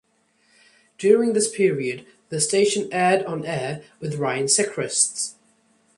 During this period, the station aired On Air With Ryan Seacrest.